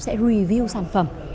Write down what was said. sẽ review sản phẩm